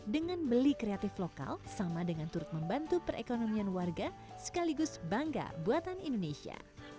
dengan beli kreatif lokal sama dengan turut membantu perekonomian warga sekaligus bangga buatan indonesia